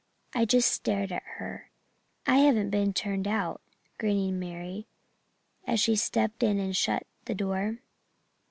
I just stared at her. "'I haven't been turned out,' grinned Mary, as she stepped in and shut the door.